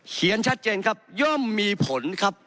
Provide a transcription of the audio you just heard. เขียนชัดเจนครับย่อมมีผลครับ